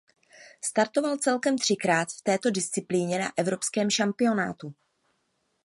Startoval celkem třikrát v této disciplíně na evropském šampionátu.